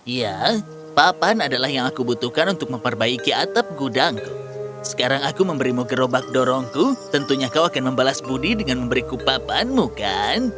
ya papan adalah yang aku butuhkan untuk memperbaiki atap gudangku sekarang aku memberimu gerobak dorongku tentunya kau akan membalas budi dengan memberiku papanmu kan